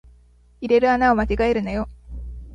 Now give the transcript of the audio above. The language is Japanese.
入れる穴を間違えるなよ